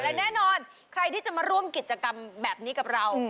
และแน่นอนใครที่จะมาร่วมกิจกรรมแบบนี้กับเรา